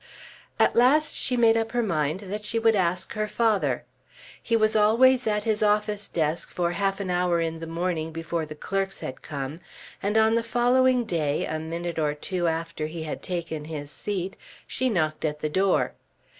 At last she made up her mind that she would ask her father. He was always at his office desk for half an hour in the morning, before the clerks had come, and on the following day, a minute or two after he had taken his seat, she knocked at the door.